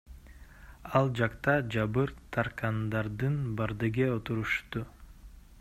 Ал жакта жабыр тарткандардын бардыгы отурушту.